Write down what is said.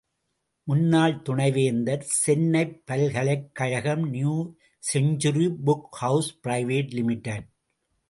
முன்னாள் துணைவேந்தர், சென்னைப் பல்கலைக் கழகம் new century book house private limited.